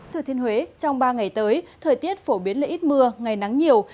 thưa thiên huế trong ba ngày tới thời tiết phổ biến lấy ít mưa ngày nắng nhiều